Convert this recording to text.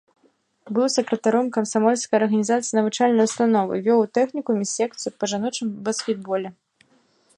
Быў сакратаром камсамольскай арганізацыі навучальнай установы, вёў у тэхнікуме секцыю па жаночым баскетболе.